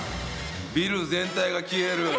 ビル全体がきえる！」。